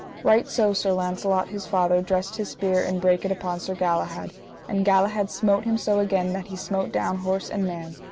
Right so Sir Launcelot, his father, dressed his spear and brake it upon Sir Galahad, and Galahad smote him so again that he smote down horse and man.